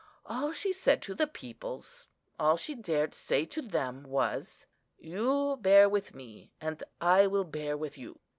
All she said to the peoples, all she dared say to them, was, 'You bear with me, and I will bear with you.